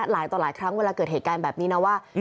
หลายต่อหลายครั้งเวลาเกิดเหตุการณ์แบบนี้นะว่า